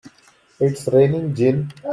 It's raining gin!